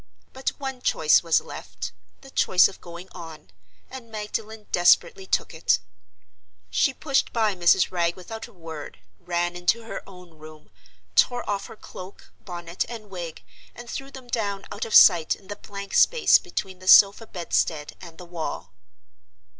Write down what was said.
But one choice was left—the choice of going on—and Magdalen desperately took it. She pushed by Mrs. Wragge without a word, ran into her own room, tore off her cloak, bonnet and wig, and threw them down out of sight in the blank space between the sofa bedstead and the wall.